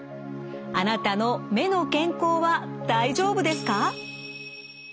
あなたの目の健康は大丈夫ですか？